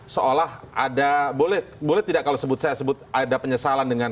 seolah ada boleh tidak kalau saya sebut ada penyesalan dengan